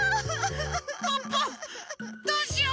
ポッポどうしよう？